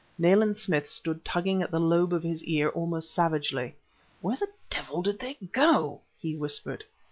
Nayland Smith stood tugging at the lobe of his ear almost savagely. "Where the devil do they go?" he whispered.